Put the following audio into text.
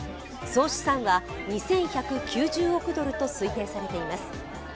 総資産は２１９０億ドルと推定されています。